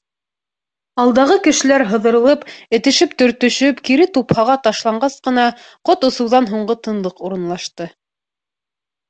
Алдағы кешеләр һыҙырылып, этешеп-төртөшөп, кире тупһаға ташланғас ҡына, ҡот осоуҙан һуңғы тынлыҡ урынлашты.